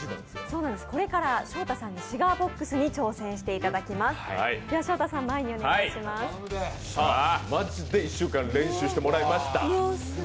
これからしょうたさんにシガーボックスに挑戦していただきます。